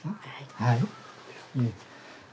はい。